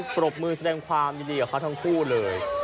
ปรบมือแสดงความยินดีกับเขาทั้งคู่เลย